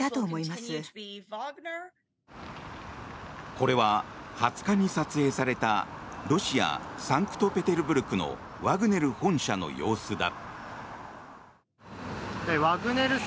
これは２０日に撮影されたロシア・サンクトペテルブルクのワグネル本社の様子だ。